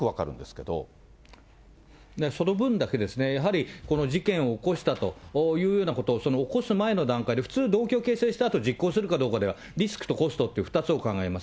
けれその分だけ、やはり、この事件を起こしたようなこと、起こす前の段階で、普通、動機を形成したあと、実行するかどうか、リスクとコストの２つを考えます。